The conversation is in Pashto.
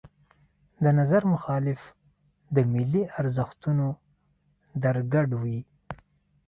د نظر مخالف د ملي ارزښتونو درګډ وي.